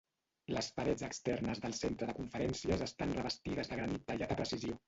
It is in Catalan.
Les parets externes del Centre de Conferències estan revestides de granit tallat a precisió.